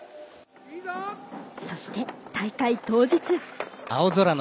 そして大会当日。